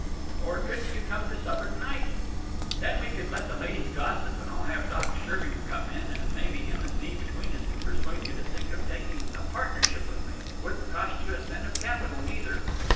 Or couldn't you come to supper to night? Then we could let the ladies gossip, and I'll have Doc Schergan come in, and maybe him and me between us could persuade you to think of taking a partnership with me wouldn't cost you a cent of capital, neither.